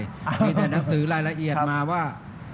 มีแต่หนังสือรายละเอียดมาว่า